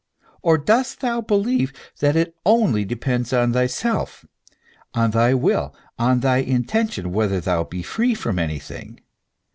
Or dost thou believe that it only depends on thyself, on thy will, on thy intention, whether thou be free from anything